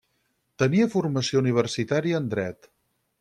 Tenia formació universitària en dret.